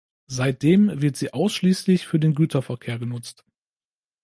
Seitdem wird sie ausschließlich für den Güterverkehr genutzt.